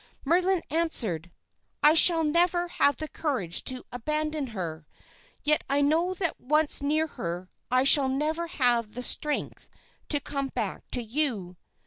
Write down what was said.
Merlin answered: 'I shall never have the courage to abandon her. Yet I know that once near her I shall never have the strength to come back to you."